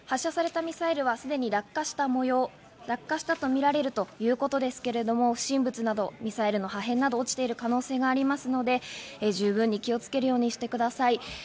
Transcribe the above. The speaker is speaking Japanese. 発射されたミサイルはすでに落下したとみられるということですけれども、不審物などミサイルの破片などが落ちている可能性がありますので、十分に気をつけるようにしてください。